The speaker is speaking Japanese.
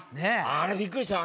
あれびっくりした。